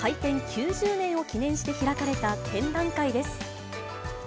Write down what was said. ９０年を記念して開かれた展覧会です。